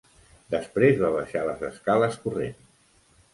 Després va baixar les escales corrent.